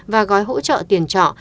và gói hỗ trợ tiền trọ